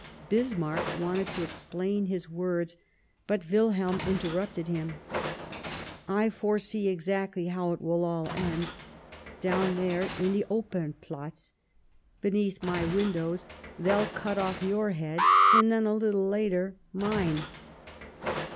Bismarck wanted to explain his words, but Wilhelm interrupted him :" I foresee exactly how it will all end. Down there, in the Opern Platz, beneath my windows, they'll cut off your head, and then, a little later, mine."